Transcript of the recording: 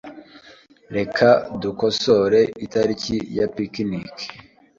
Reka dukosore itariki ya picnic .